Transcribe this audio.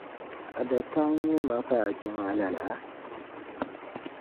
A dataa nye ma k' a je ma lala?